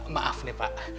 maaf nih pak